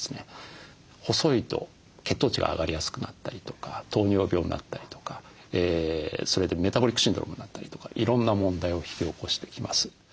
細いと血糖値が上がりやすくなったりとか糖尿病になったりとかそれでメタボリックシンドロームになったりとかいろんな問題を引き起こしてきます。